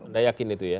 anda yakin itu ya